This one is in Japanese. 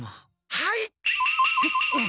はい！